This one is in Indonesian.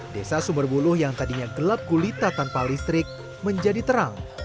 desa sumberbuluh yang tadinya gelap kulita tanpa listrik menjadi terang